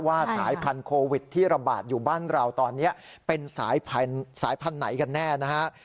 สายพันธุวิตที่ระบาดอยู่บ้านเราตอนนี้เป็นสายพันธุ์ไหนกันแน่นะฮะ